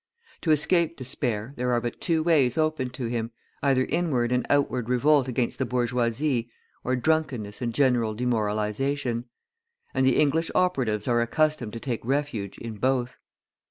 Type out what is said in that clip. To escape despair, there are but two ways open to him; either inward and outward revolt against the bourgeoisie or drunkenness and general demoralisation. And the English operatives are accustomed to take refuge in both.